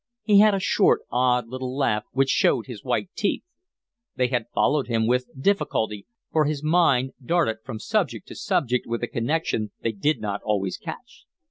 He had a short, odd little laugh which showed his white teeth. They had followed him with difficulty, for his mind darted from subject to subject with a connection they did not always catch.